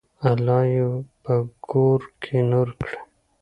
الله یې په ګور کې نور کړي.